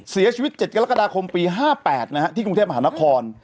เสียชีวิต๗กรกฎาคมปี๕๘ที่กรุงเทพมหานคร